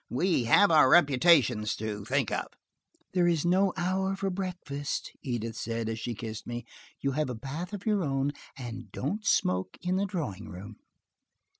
We have our reputations to think of." "There is no hour for breakfast," Edith said, as she kissed me. "You have a bath of your own, and don't smoke in the drawing room."